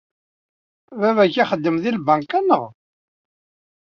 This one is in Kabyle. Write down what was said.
Baba-k ixeddem deg tbanka, naɣ?